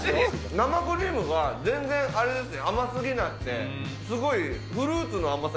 生クリームが全然あれですね、甘すぎなくて、すごいフルーツの甘さ